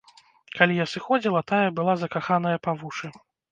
Калі я сыходзіла, тая была закаханая па вушы.